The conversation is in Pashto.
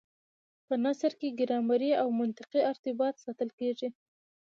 په نثر کي ګرامري او منطقي ارتباط ساتل کېږي.